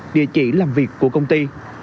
địa chỉ làm việc của công ty